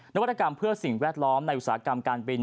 นวัตกรรมเพื่อสิ่งแวดล้อมในอุตสาหกรรมการบิน